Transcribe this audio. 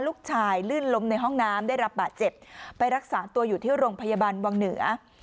ลื่นล้มในห้องน้ำได้รับบาดเจ็บไปรักษาตัวอยู่ที่โรงพยาบาลวังเหนือ